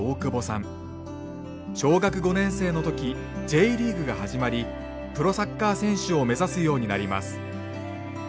小学５年生の時Ｊリーグが始まりプロサッカー選手を目指すようになります。